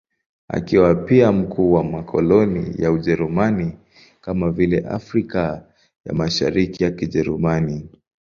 Akiwa pia mkuu wa makoloni ya Ujerumani, kama vile Afrika ya Mashariki ya Kijerumani.